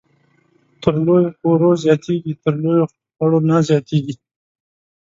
تر لويو کورو زياتېږي ، تر لويو خړو نه زياتېږي